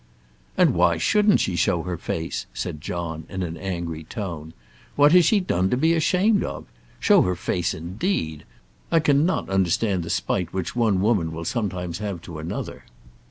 "And why shouldn't she show her face?" said John, in an angry tone. "What has she done to be ashamed of? Show her face indeed! I cannot understand the spite which one woman will sometimes have to another."